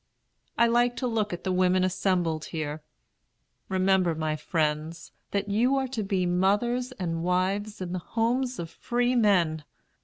"I like to look at the women assembled here. Remember, my friends, that you are to be mothers and wives in the homes of free men.